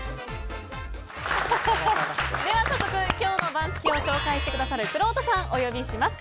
早速、今日の番付をご紹介してくださるくろうとさん、お呼びします。